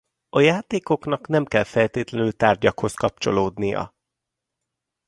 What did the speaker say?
A játékoknak nem kell feltétlenül tárgyakhoz kapcsolódnia.